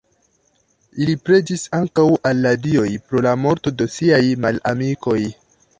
Ili preĝis ankaŭ al la dioj pro la morto de siaj malamikoj.